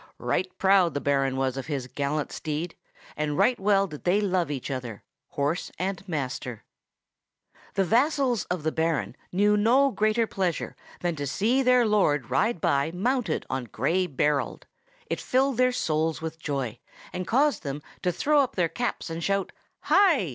Right proud the Baron was of his gallant steed; and right well did they love each other, horse and master. The vassals of the Baron knew no greater pleasure than to see their lord ride by mounted on Gray Berold; it filled their souls with joy, and caused them to throw up their caps and shout "Hi!"